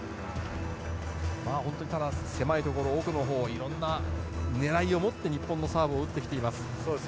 本当に狭いところ、奥のほういろいろな狙いを持って日本サーブを打ってきています。